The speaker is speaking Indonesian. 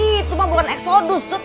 itu mah bukan eksodus tuh